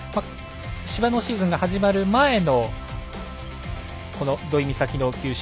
芝のシーズンが始まる前のこの土居美咲の球種。